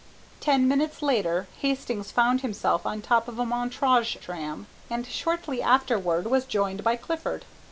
Ten minutes later, Hastings found himself on top of a Montrouge tram, and shortly afterward was joined by Clifford.